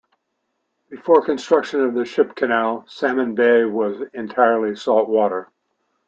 Before construction of the Ship Canal, Salmon Bay was entirely salt water.